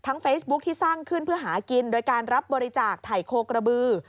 เฟซบุ๊คที่สร้างขึ้นเพื่อหากินโดยการรับบริจาคไถ่โคกระบือ